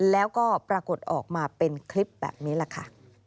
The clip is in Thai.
แล้วก็ปรากฏออกมาเป็นคลิปแบบนี้แหละค่ะ